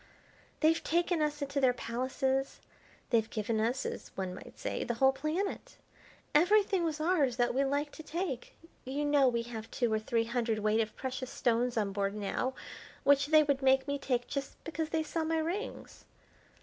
They've taken us into their palaces, they've given us, as one might say, the whole planet. Everything was ours that we liked to take. You know we have two or three hundredweight of precious stones on board now, which they would make me take just because they saw my rings.